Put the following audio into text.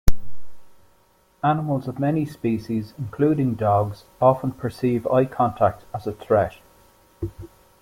Animals of many species, including dogs, often perceive eye contact as a threat.